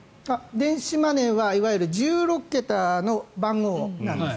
電子マネーはいわゆる１６桁の番号なんです。